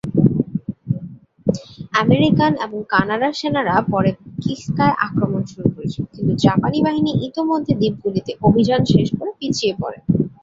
American এবং কানাডার সেনারা পরে কিস্কায় আক্রমণ শুরু করেছিল, কিন্তু জাপানি বাহিনী ইতোমধ্যে দ্বীপগুলিতে অভিযান শেষ করে পিছিয়ে পরে।